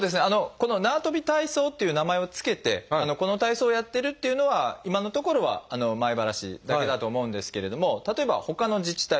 この「なわとび体操」っていう名前を付けてこの体操をやってるっていうのは今のところは米原市だけだと思うんですけれども例えばほかの自治体